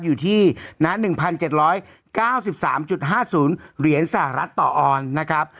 อยู่ที่๑๗๙๓๕๐เหรียญสหรัฐต่อออนด์นะครับ